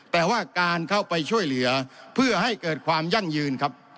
แต่ว่าการเข้าไปช่วยเหลือเพื่อให้เกิดความยั่งยืนครับ